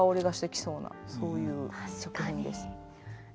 そういう作品です。